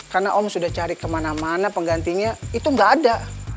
karena om sudah cari kemana mana penggantinya itu enggak ada